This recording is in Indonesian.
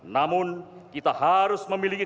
namun kita harus memiliki